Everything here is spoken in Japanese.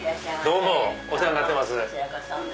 どうもお世話になってます。